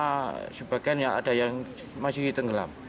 karena sebagian yang ada yang masih tenggelam